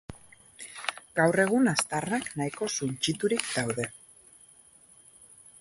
Gaur egun, aztarnak nahiko suntsiturik daude.